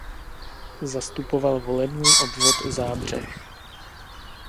Zastupoval volební obvod Zábřeh.